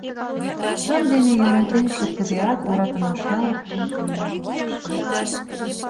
Чон дене йӧратен шуктыдеак йӧратымашна эртен каен, коеш...